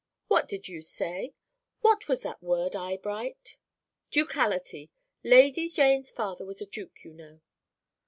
'" "What did you say? What was that word, Eyebright?" "Ducality. Lady Jane's father was a duke, you know."